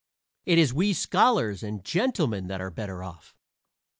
It is we scholars and gentlemen that are better off.